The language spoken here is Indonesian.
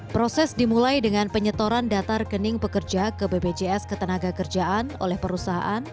proses dimulai dengan penyetoran data rekening pekerja ke bpjs ketenaga kerjaan oleh perusahaan